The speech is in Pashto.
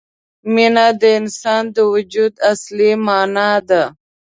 مینه د انسان د وجود اصلي معنا ده.